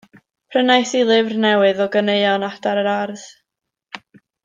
Prynais i lyfr newydd o ganeuon adar yr ardd.